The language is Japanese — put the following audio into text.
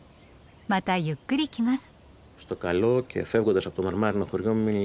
またゆっくり来ます。